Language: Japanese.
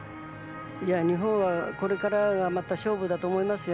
日本はこれからがまた勝負だと思いますよ。